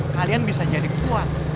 kalian bisa jadi kuat